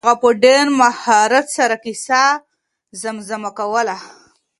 هغه په ډېر مهارت سره کیسه زمزمه کوله.